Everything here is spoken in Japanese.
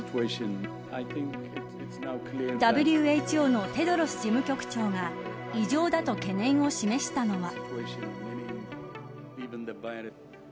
ＷＨＯのテドロス事務局長が異常だと懸念を示したのが。